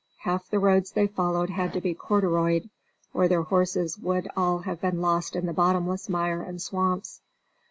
Half the roads they followed had to be corduroyed, or their horses would all have been lost in the bottomless mire and swamps.